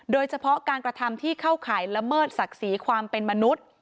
โดยเฉพาะการกระทำที่เข้าข่ายละเมิดศักดิ์ศรีความเป็นมนุษย์